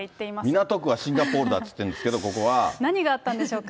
港区はシンガポールだって言ってるんですけど、ここは。何があったんでしょうか。